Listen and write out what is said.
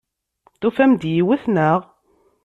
Tufam-d yiwet, naɣ?